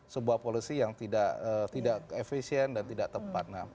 sebuah policy yang tidak efisien dan tidak tepat